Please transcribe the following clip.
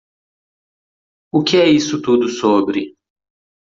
O que é isso tudo sobre?